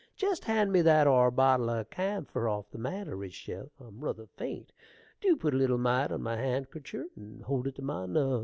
Jest hand me that are bottle of camfire off the mantletry shelf: I'm ruther faint. Dew put a little mite on my handkercher and hold it to my nuz.